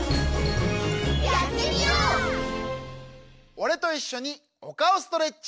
おれといっしょにおかおストレッチ。